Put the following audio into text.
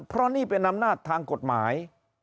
เพราะนี่เป็นอำนาจทางกฎหมาย